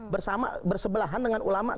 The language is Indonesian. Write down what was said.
bersama bersebelahan dengan ulama